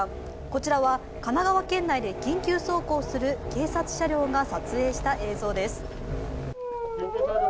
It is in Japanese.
こちらは神奈川県内で緊急走行する緊急車両が撮影した映像です。